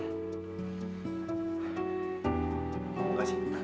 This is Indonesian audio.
aku pikir gue suara seperti jubah